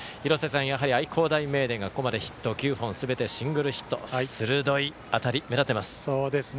やはり愛工大名電がここまでヒット９本すべてシングルヒット鋭い当たり、目立っています。